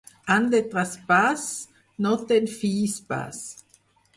Any de traspàs, no te'n fiïs pas.